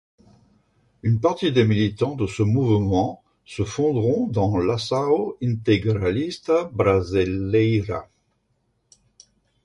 Une partie des militants de ce mouvement se fondront dans l'Ação Integralista Brasileira.